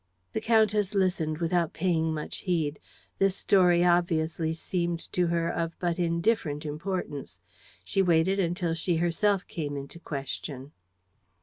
The countess listened without paying much heed. This story obviously seemed to her of but indifferent importance. She waited until she herself came into question.